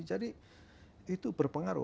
jadi itu berpengaruh